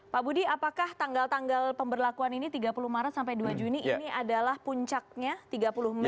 pak budi apakah tanggal tanggal pemberlakuan ini tiga puluh maret sampai dua juni ini adalah puncaknya tiga puluh mei